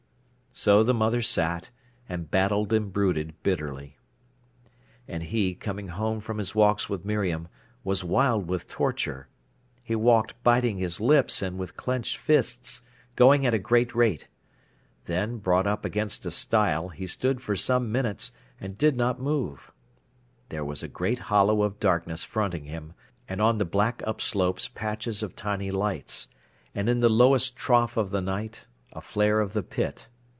So the mother sat, and battled and brooded bitterly. And he, coming home from his walks with Miriam, was wild with torture. He walked biting his lips and with clenched fists, going at a great rate. Then, brought up against a stile, he stood for some minutes, and did not move. There was a great hollow of darkness fronting him, and on the black upslopes patches of tiny lights, and in the lowest trough of the night, a flare of the pit.